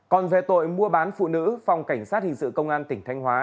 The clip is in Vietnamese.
còn về tội mua bán phụ nữ phòng cảnh sát hình sự công an tỉnh thanh hóa